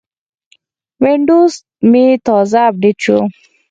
وینډوز مې تازه اپډیټ شو.